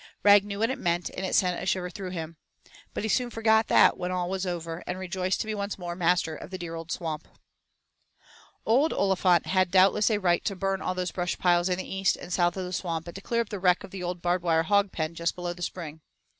Rag knew what it meant and it sent a shiver through him, but he soon forgot that when all was over and rejoiced to be once more the master of the dear old Swamp. VIII Old Olifant had doubtless a right to burn all those brush piles in the east and south of the Swamp and to clear up the wreck of the old barbed wire hog pen just below the spring.